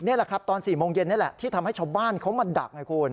นี่แหละครับตอน๔โมงเย็นนี่แหละที่ทำให้ชาวบ้านเขามาดักไงคุณ